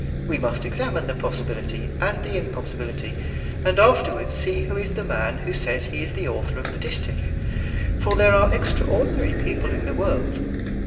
We must examine the possibility and the impossibility, and afterwards see who is the man who says he is the author of the distich, for there are extraordinary people in the world.